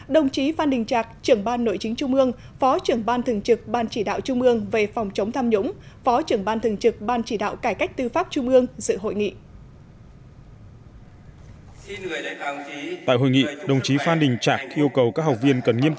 đồng chí phan đình trạc trưởng ban nội chính trung ương phó trưởng ban thường trực ban chỉ đạo trung ương về phòng chống tham nhũng phó trưởng ban thường trực ban chỉ đạo cải cách tư pháp trung ương dự hội nghị